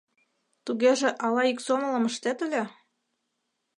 — Тугеже ала ик сомылым ыштет ыле?